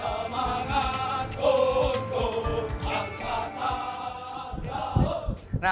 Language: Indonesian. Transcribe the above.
kami berusaha untuk menjaga kebugaran